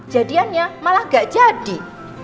jadiannya malah gak jadi